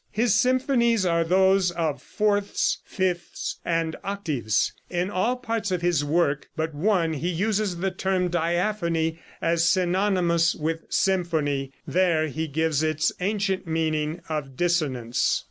His symphonies are those of fourths, fifths and octaves. In all parts of his work but one he uses the term diaphony as synonymous with symphony; there he gives its ancient meaning of dissonance.